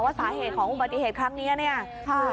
ว่าสาเหตุของอุบัติเหตุครั้งเนี่ยก็คือ